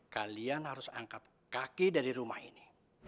kalian harus angkat kaki dari rumah ini